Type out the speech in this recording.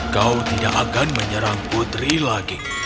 kau tidak akan menyerang putri lagi